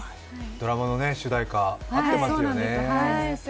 ドラマの主題歌になってますよね。